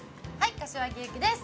柏木由紀です！